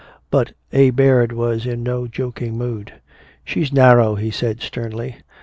But A. Baird was in no joking mood. "She's narrow," he said sternly.